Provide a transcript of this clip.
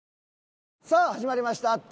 さあ始まりました。